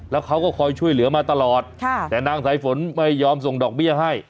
แล้วเขาก็คอยช่วยเหลือมาตลอดแต่นางสายฝนไม่ยอมส่งดอกเบี้ยให้